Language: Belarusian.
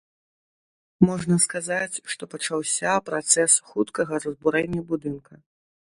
Можна сказаць, што пачаўся працэс хуткага разбурэння будынка.